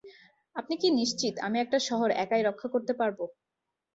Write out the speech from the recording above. আপনি কি নিশ্চিত আমি একটা শহর একাই রক্ষা করতে পারবো?